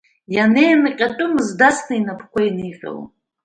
Ианеинҟьатәымыз дасны инапқәа еиниҟьалон…